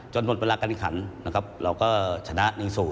จนหมดเวลาการขันเราก็ชนะ๑๐